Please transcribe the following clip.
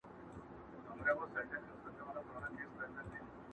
غرونه ډک له داړه مارو کلي ډک دي له خونکارو!.